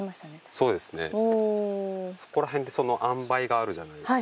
そうですねおおそこらへんってあんばいがあるじゃないですか